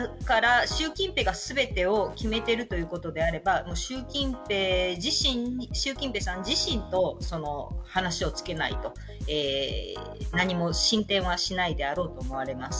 だから、習近平が全てを決めているということであれば習近平さん自身と話をつけないと何も進展はしないであろうと思われます。